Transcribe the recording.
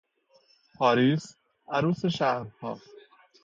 پاریس، عروس شهرها